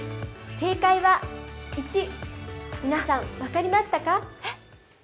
正解は１、皆さん、分かりましたか？